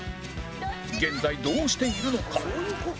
現在どうしているのか？